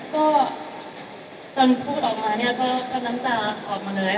ก็ตอนพูดออกมาก็น้ำตาออกมาเลยค่ะ